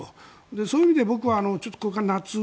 そういう意味で僕はこれから夏